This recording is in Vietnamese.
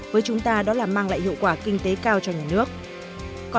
với chúng ta đó là mang lại hiệu quả kinh tế cao cho nhà nước